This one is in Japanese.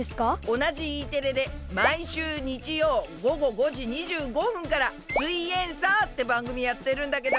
おなじＥテレで毎週日曜午後５時２５分から「すイエんサー」ってばんぐみやってるんだけど。